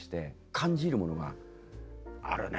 感じ入るものがあるね。